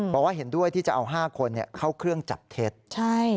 บอกว่าเห็นด้วยที่จะเอา๕คนเข้าเครื่องจับเท็จ